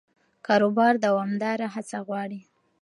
کاروبار دوامداره هڅه غواړي.